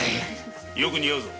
よく似合うぞ。